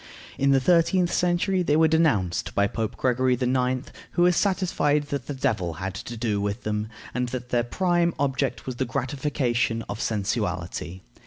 In the thirteenth century they were denounced by Pope Gregory IX., who was satisfied that the devil had to do with them, and that their prime object was the gratification of sensuality.